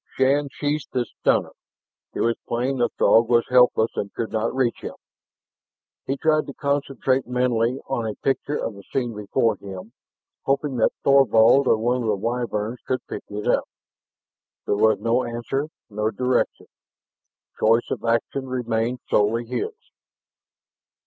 Shann sheathed his stunner. It was plain the Throg was helpless and could not reach him. He tried to concentrate mentally on a picture of the scene before him, hoping that Thorvald or one of the Wyverns could pick it up. There was no answer, no direction. Choice of action remained solely his.